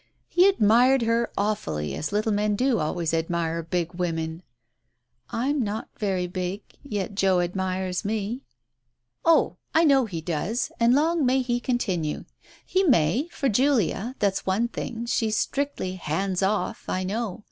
He admired her awfully, as little men do always admire big women." "I'm not very big, yet Joe admires me." Digitized by Google THE OPERATION 61 "Oh — I know he does and long may he continue. He may, for Julia, that's one thing, she's strictly ' hands off/ I know.